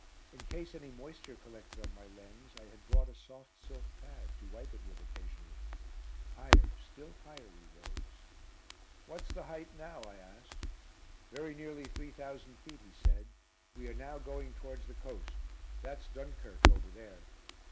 In case any moisture collected on my lens, I had brought a soft silk pad, to wipe it with occasionally. Higher, still higher, we rose. "What's the height now?" I asked. "Very nearly three thousand feet," he said. "We are now going towards the coast. That's Dunkirk over there."